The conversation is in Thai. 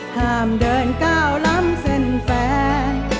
ห้ามเดินก้าวล้ำเส้นแฟน